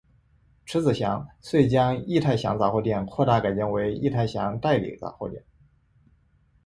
迟子祥遂将益泰祥杂货店扩大改建为益泰祥代理杂货店。